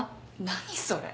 何それ？